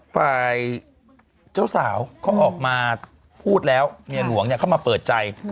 ฝ่ายเจ้าสาวเขาออกมาพูดแล้วเมียหลวงเนี่ยเข้ามาเปิดใจ